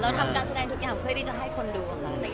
ทำการแสดงทุกอย่างเพื่อที่จะให้คนดูค่ะ